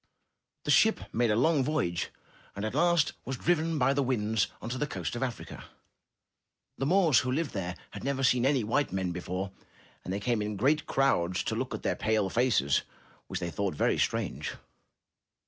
The ship made a long voyage, and at last was driven by the winds on to the coast of Africa. The Moors who lived there had never seen any white men before, and they came in great crowds to look at their pale faces which they thought very strange.